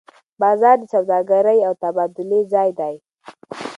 بازار د سوداګرۍ او تبادلې ځای دی.